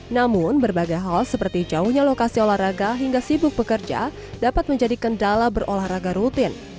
namun berbagai hal seperti jauhnya lokasi olahraga hingga sibuk bekerja dapat menjadi kendala berolahraga rutin